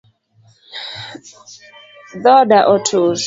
Dhoda otur